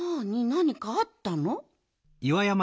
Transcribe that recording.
なにかあったの？